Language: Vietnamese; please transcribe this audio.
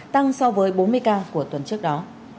tăng so với bốn mươi ca của tuần trước đó